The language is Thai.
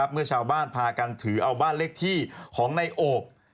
เมื่อชาวบ้านพากันถือเอาบ้านเลขที่ของในโอบ